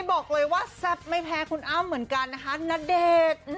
บอกเลยว่าแซ่บไม่แพ้คุณอ้ำเหมือนกันนะคะณเดชน์